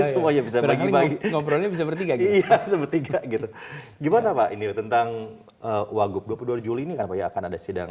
saya tetap menunjukkan